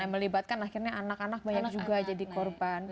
yang melibatkan akhirnya anak anak banyak juga jadi korban